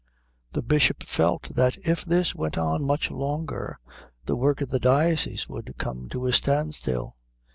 The Bishop felt that if this went on much longer the work of the diocese would come to a standstill.